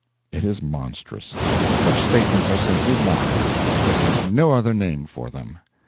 It is monstrous. Such statements are simply lies—there is no other name for them.